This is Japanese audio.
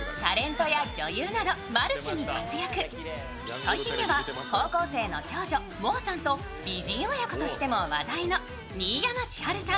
最近では高校生の長女もあさんと美人親子としても話題の新山千春さん